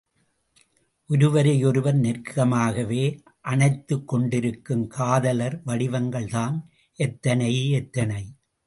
ஒருவரை ஒருவர் நெருக்கமாகவே அணைத்துக் கொண்டிருக்கும் காதலர் வடிவங்கள் தாம் எத்தனை எத்தனை?